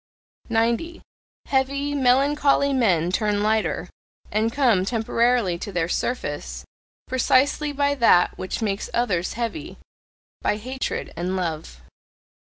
90. Heavy, melancholy men turn lighter, and come temporarily to their surface, precisely by that which makes others heavy by hatred and love.